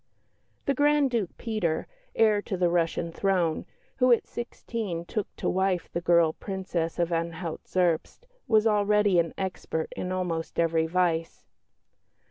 The Grand Duke Peter, heir to the Russian throne, who at sixteen took to wife the girl Princess of Anhalt Zerbst, was already an expert in almost every vice.